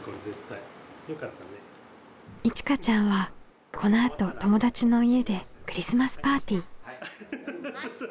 いちかちゃんはこのあと友達の家でクリスマスパーティー。